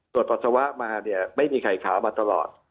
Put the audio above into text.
ปัสสาวะมาเนี่ยไม่มีไข่ขาวมาตลอด